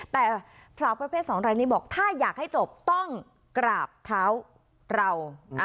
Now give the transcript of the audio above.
แต่สาวประเภท๒รายนี้บอกถ้าอยากให้จบต้องกราบเท้าเรา